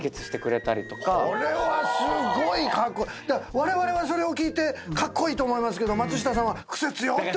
われわれはそれを聞いてカッコイイと思いますけど松下さんは「クセ強！」と。